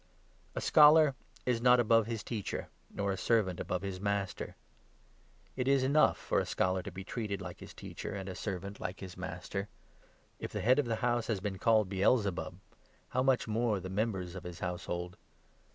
A 24 scholar is not above his teacher, nor a servant above his master. It is enough for a scholar to be treated like his 25 teacher, and a servant like his master. If the head of the house has been called Baal zebub, how much more the mem bers of his household